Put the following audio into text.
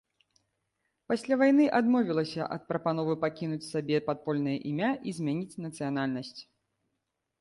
Пасля вайны адмовілася ад прапановы пакінуць сабе падпольнае імя і змяніць нацыянальнасць.